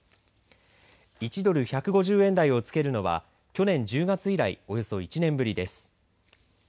１ドル１５０円台をつけるのは去年１０月以来およそ１年ぶりです。